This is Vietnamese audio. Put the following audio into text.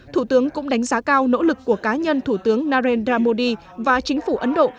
thủ tướng cũng đánh giá cao nỗ lực của cá nhân thủ tướng narendra modi và chính phủ ấn độ